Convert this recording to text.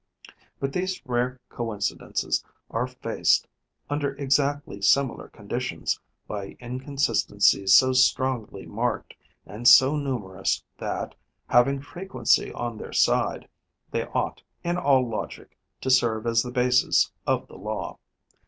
But these rare coincidences are faced, under exactly similar conditions, by inconsistencies so strongly marked and so numerous that, having frequency on their side, they ought, in all logic, to serve as the basis of the law.